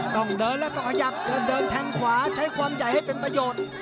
ต้องเดินแล้วต้องขยับเดินแทงขวาใช้ความใหญ่ให้เป็นประโยชน์